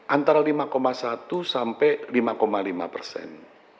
antara lima satu sampai lima lima persen